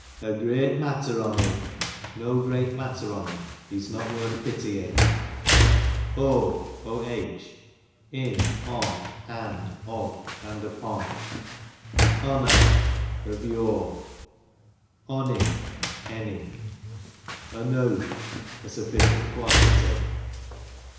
Ogreyt mattef on ina, no great matter on him, he^s not worth pitying. On, is on, and, of, and upon, Onner, of your: Onny, hny, Onoo, a sufficient quantity.